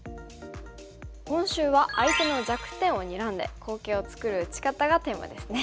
今週は相手の弱点をにらんで好形を作る打ち方がテーマですね。